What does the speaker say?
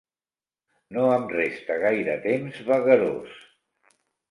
No em resta gaire temps vagarós.